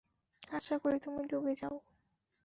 আশা করি তুমি ডুবে যাও।